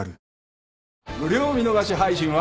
無料見逃し配信は。